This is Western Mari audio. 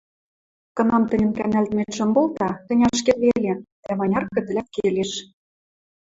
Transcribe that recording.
Кынам тӹньӹн кӓнӓлтӹмет шон колта, тӹнь ашкед веле, дӓ маняркы тӹлӓт келеш